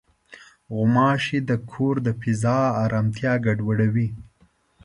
غوماشې د کور د فضا ارامتیا ګډوډوي.